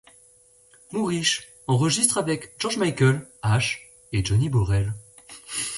Moorish enregistre avec George Michael, Ash et Johnny Borrell.